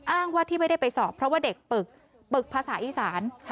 อ้างว่าที่ไม่ได้ไปสอบเพราะว่าเด็กปึกปึกภาษาอีสาน